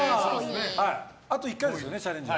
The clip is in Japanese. あと１回ですよね、チャレンジ。